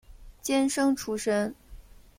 监生出身。